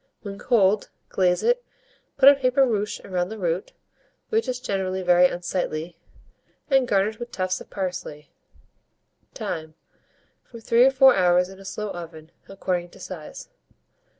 When cold, glaze it, put a paper ruche round the root, which is generally very unsightly, and garnish with tufts of parsley. Time. From 3 or 4 hours in a slow oven, according to size.